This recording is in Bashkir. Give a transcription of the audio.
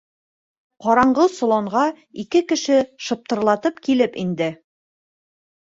Ҡараңғы соланға ике кеше шыптырлатып килеп инде.